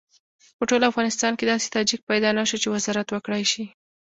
په ټول افغانستان کې داسې تاجک پیدا نه شو چې وزارت وکړای شي.